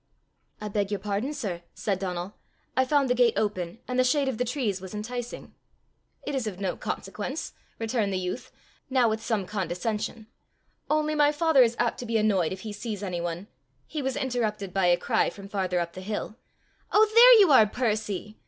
"I beg your pardon, sir," said Donal. "I found the gate open, and the shade of the trees was enticing." "It is of no consequence," returned the youth, now with some condescension; "only my father is apt to be annoyed if he sees any one " He was interrupted by a cry from farther up the hill "Oh, there you are, Percy!"